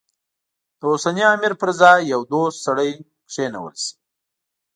د اوسني امیر پر ځای یو دوست سړی کېنول شي.